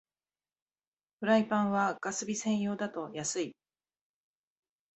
フライパンはガス火専用だと安い